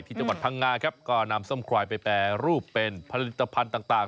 จังหวัดพังงาครับก็นำส้มควายไปแปรรูปเป็นผลิตภัณฑ์ต่าง